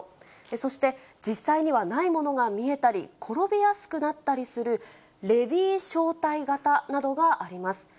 そして実際にはないものが見えたり、転びやすくなったりするレビー小体型などがあります。